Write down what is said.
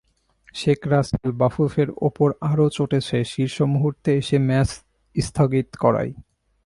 শেখ রাসেল বাফুফের ওপর আরও চটেছে শেষ মুহূর্তে এসে ম্যাচ স্থগিত করায়।